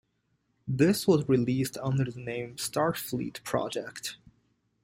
This was released under the name "Star Fleet Project".